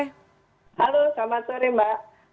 halo selamat sore mbak